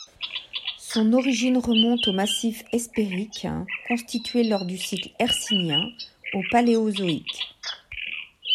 Son origine remonte au massif hespérique, constitué lors du cycle hercynien au paléozoïque.